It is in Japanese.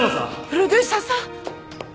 プロデューサーさん。